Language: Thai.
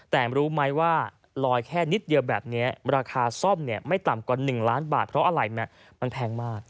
แต่รู้ไหมว่าลอยแค่นิดเดียวแบบนี้ราคาซ่อมไม่ต่ำกว่า๑ล้านบาทเพราะอะไรมันแพงมาก